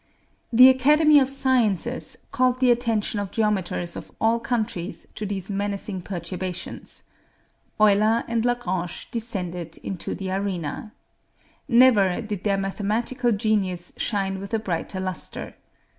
The Academy of Sciences called the attention of geometers of all countries to these menacing perturbations. Euler and Lagrange descended into the arena. Never did their mathematical genius shine with a brighter lustre.